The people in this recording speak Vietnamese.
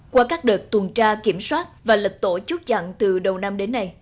qua các đợt tuần tra kiểm soát và lật tổ chút dặn từ đầu năm đến nay